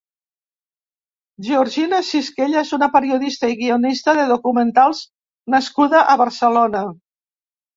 Georgina Cisquella és una periodista i guionista de documentals nascuda a Barcelona.